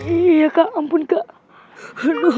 iya kak ampun kak